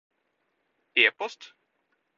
e-post